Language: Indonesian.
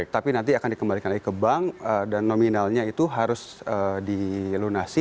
tapi nanti akan dikembalikan lagi ke bank dan nominalnya itu harus dilunasi